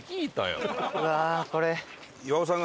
うわこれ。